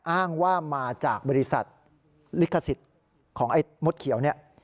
อ้างว่ามาจากบริษัทลิขสิทธิ์ของไอ้มดเขียวเนี่ย